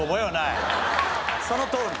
そのとおり。